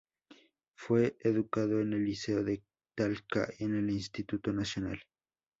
Fue educado en el Liceo de Talca y en el Instituto Nacional.